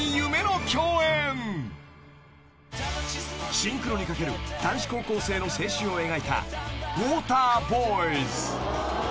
［シンクロに懸ける男子高校生の青春を描いた『ウォーターボーイズ』］